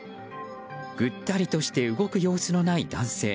ぐったりとして動く様子のない男性。